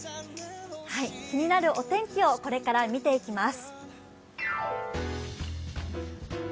気になるお天気をこれから見ていきます。